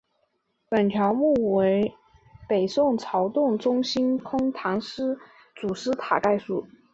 本条目为北宋曹洞宗心空禅师的祖师塔概述。